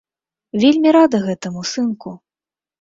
Вельмі рада гэтаму, сынку.